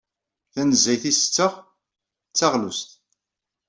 Tanezzayt ay ttesseɣ taɣlust.